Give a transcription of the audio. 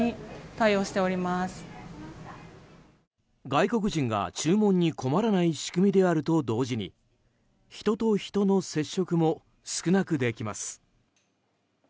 外国人が注文に困らない仕組みであると同時に人と人の接触も少なくできます。